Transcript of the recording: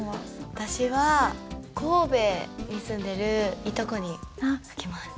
私は神戸に住んでるいとこに書きます。